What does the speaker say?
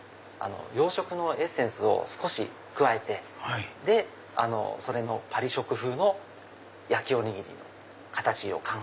洋食のエッセンスを少し加えてパリ食風の焼きおにぎりの形を考えて。